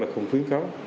là không khuyến kháo